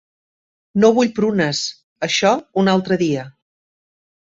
No vull prunes, això, un altre dia.